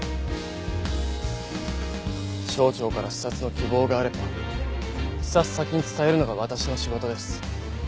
省庁から視察の希望があれば視察先に伝えるのが私の仕事です。